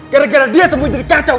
gara gara dia semua jadi kacau